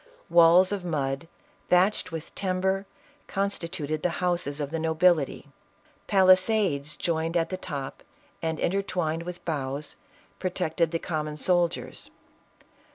Walls of mud, thatched with timber, con stituted the houses of the nobility ; palisades joined at the top, and intertwined with boughs, protected the common soldiers.